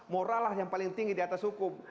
morallah yang paling tinggi di atas hukum